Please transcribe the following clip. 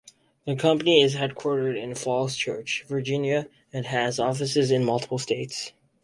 The company is headquartered in Falls Church, Virginia, and has offices in multiple states.